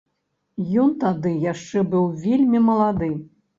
Ён тады яшчэ быў вельмі малады.